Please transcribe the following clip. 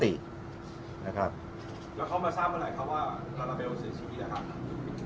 แล้วเขามาทราบเมื่อไหร่ครับว่าลาลาเบลเสียชีวิตนะครับ